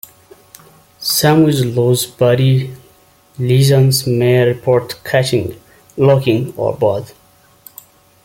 Some with loose body lesions may report catching, locking, or both.